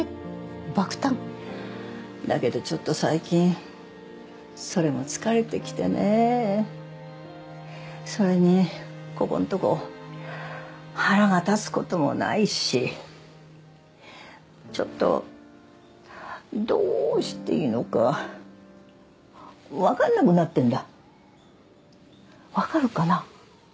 だけどちょっと最近それも疲れてきてねそれにここのとこ腹が立つこともないしちょっとどうしていいのかわかんなくなってんだわかるかな？